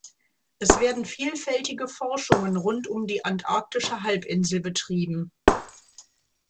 Es werden vielfältige Forschungen rund um die Antarktische Halbinsel betrieben.